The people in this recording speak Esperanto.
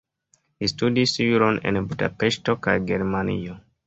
Li studis juron en Budapeŝto kaj Germanio.